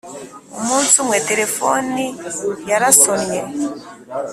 Umunsi umwe telefoni yarasonnye